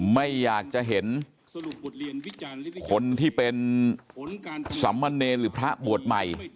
ไม่อยากจะเห็นคนที่เป็นสามเณรหรือพระบวชใหม่